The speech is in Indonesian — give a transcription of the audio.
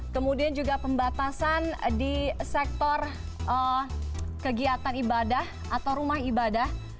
kemudian juga pembatasan di sektor kegiatan ibadah atau rumah ibadah